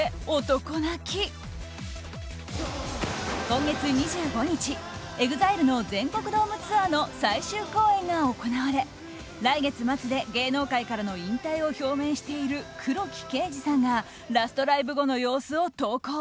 今月２５日、ＥＸＩＬＥの全国ドームツアーの最終公演が行われ来月末で、芸能界からの引退を表明している黒木啓司さんがラストライブ後の様子を投稿。